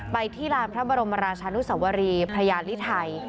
ไปที่ลานพระบรมราชานุสวรีพระยาลิไทย